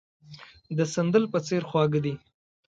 د سندل په څېر خواږه دي.